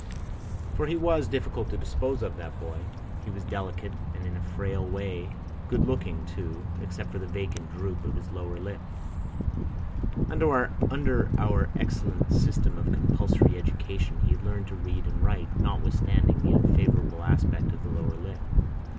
For he was difficult to dispose of, that boy. He was delicate and, in a frail way, good looking too, except for the vacant droop of his lower lip. Under our excellent system of compulsory education he had learned to read and write, notwithstanding the unfavourable aspect of the lower lip.